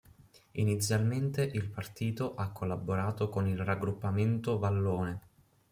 Inizialmente il partito ha collaborato con il Raggruppamento Vallone.